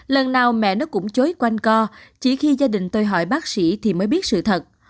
lần nào mẹ nó cũng chối quanh co chỉ khi gia đình tôi hỏi bác sĩ thì mới biết sự thật